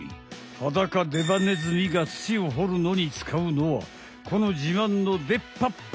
ハダカデバネズミが土を掘るのにつかうのはこのじまんのでっ歯っぱ！